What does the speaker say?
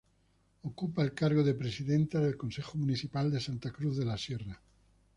Ocupa el cargo de presidenta del concejo municipal de Santa Cruz de la Sierra.